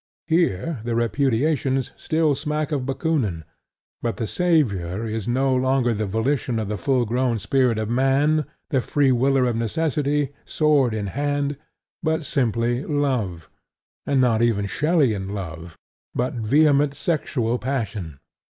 Here the repudiations still smack of Bakoonin; but the saviour is no longer the volition of the full grown spirit of Man, the Free Willer of Necessity, sword in hand, but simply Love, and not even Shelleyan love, but vehement sexual passion.